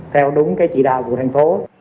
theo đúng chỉ đạo của thành phố